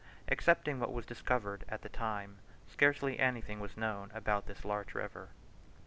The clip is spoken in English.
Excepting what was discovered at that time, scarcely anything was known about this large river.